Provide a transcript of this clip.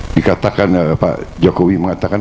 dikatakan pak jokowi mengatakan